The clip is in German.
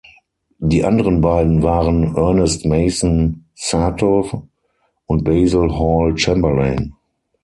Die anderen beiden waren Ernest Mason Satow und Basil Hall Chamberlain.